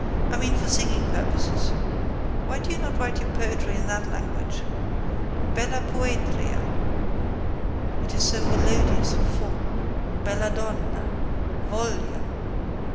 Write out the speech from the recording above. I mean for singing purposes. Why do you not write your poetry in that language? Bella Poetria! It is so melodious and full. _Belladonna. Voglio.